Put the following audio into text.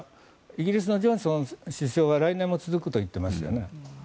イギリスのジョンソン首相は来年も続くと言っていますね。